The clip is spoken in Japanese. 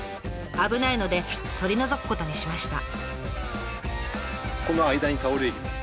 危ないので取り除くことにしました。